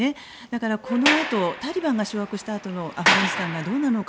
このあとタリバンが掌握したあとアフガニスタンがどうなるのか